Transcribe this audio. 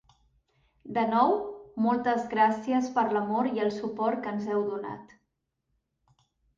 De nou, moltes gràcies per l'amor i el suport que ens heu donat.